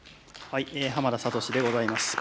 浜田聡でございます。